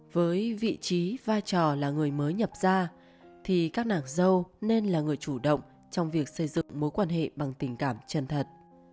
với vị trí vai trò là người mới nhập ra thì các nạc dâu nên là người chủ động trong việc xây dựng mối quan hệ bằng tình cảm chân thật